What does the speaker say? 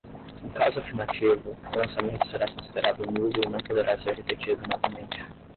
Em caso afirmativo, o lançamento será considerado nulo e não poderá ser repetido novamente.